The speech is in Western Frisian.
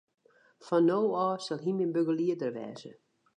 Fan no ôf sil hy myn begelieder wêze.